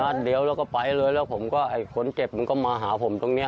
นัดเดียวแล้วก็ไปเลยแล้วผมก็คนเจ็บก็มาหาผมตรงนี้